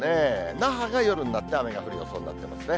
那覇が夜になって雨が降る予想になってますね。